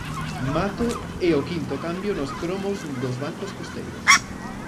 Mato é o quinto cambio nos cromos dos bancos costeiros.